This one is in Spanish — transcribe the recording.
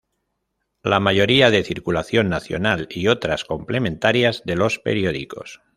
La mayoría de circulación nacional y otras complementarias de los periódicos.